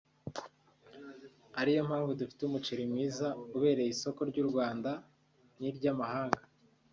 ari yo mpamvu dufite umuceri mwiza ubereye isoko ry’u Rwanda n’iry’amahanga